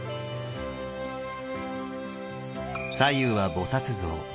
左右は菩像。